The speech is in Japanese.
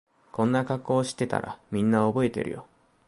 こんな格好してたらみんな覚えてるよ